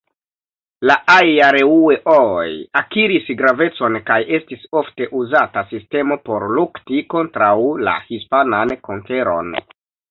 La ajljareŭe-oj akiris gravecon kaj estis ofte-uzata sistemo por lukti kontraŭ la hispanan konkeron.